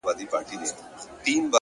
یوه خولگۍ خو مسته؛ راته جناب راکه؛